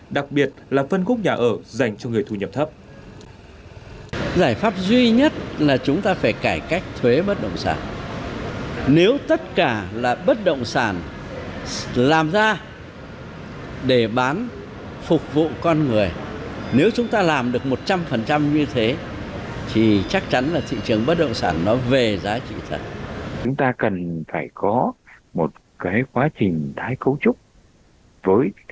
đặc biệt là phân khúc nhà ở dành cho người thu nhập thấp